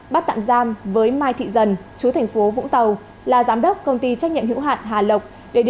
bắt tạm giam với mai thị dần chú thành phố vũng tàu là giám đốc công ty trách nhiệm hữu hạn hà lộc